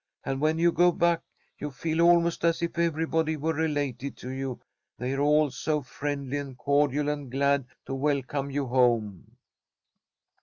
And when you go back, you feel almost as if everybody were related to you, they're all so friendly and cordial and glad to welcome you home."